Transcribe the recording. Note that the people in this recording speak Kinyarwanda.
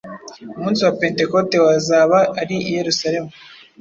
umunsi wa Pentekote wazaba ari i Yerusalemu